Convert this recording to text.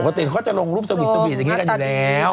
เขาจะลงรูปสวีทวีทอย่างนี้กันอยู่แล้ว